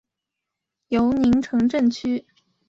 尤宁城镇区。